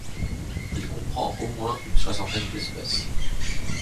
Il comprend au moins une soixantaine d'espèces.